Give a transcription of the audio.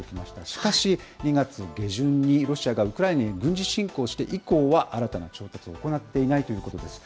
しかし２月下旬にロシアがウクライナに軍事侵攻して以降は、新たな調達を行っていないということです。